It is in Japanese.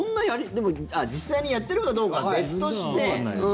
でも、実際にやってるかどうかは別として。